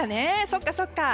そっか、そっか。